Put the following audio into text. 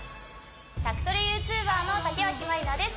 宅トレＹｏｕＴｕｂｅｒの竹脇まりなです